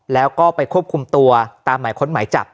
แล้วก็ไปควบคุมตัวตามหมายค้นหมายจับ